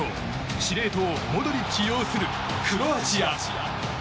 司令塔モドリッチ擁するクロアチア。